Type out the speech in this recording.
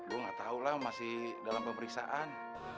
gue gak tahu lah masih dalam pemeriksaan